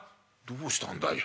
「どうしたんだい。